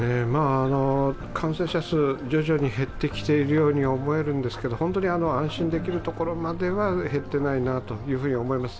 感染者数、徐々に減ってきているように思えるんですが本当に安心できるところまでは減っていないなと思います。